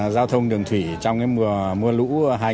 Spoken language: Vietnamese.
giao thông đường thủy trong mưa lũ